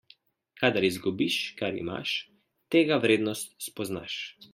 Kadar izgubiš, kar imaš, tega vrednost spoznaš.